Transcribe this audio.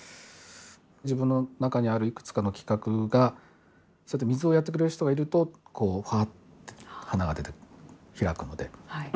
自分の中にあるいくつかの企画がそうやって水をやってくれる人がいるとふわって花が出て、開くので。